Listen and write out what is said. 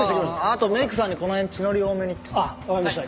あとメイクさんにこの辺血のり多めにって。あっわかりました。